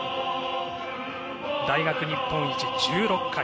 大学日本一１６回。